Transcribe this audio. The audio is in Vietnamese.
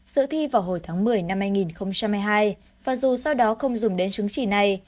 dự thi vào hồi tháng một mươi năm hai nghìn hai mươi hai và dù sau đó không dùng đến chứng chỉ này